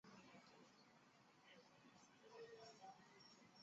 电影普遍地得到负面评价及票房失败。